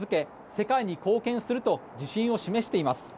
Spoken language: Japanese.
世界に貢献すると自信を示しています。